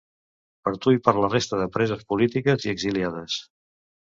Per tu i per la resta de preses polítiques i exiliades.